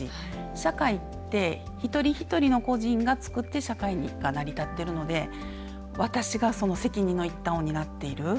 社会って一人一人の個人が作って社会が成り立っているので私がその責任の一端を担っている。